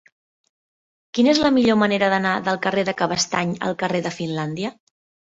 Quina és la millor manera d'anar del carrer de Cabestany al carrer de Finlàndia?